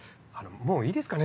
もういいですかね？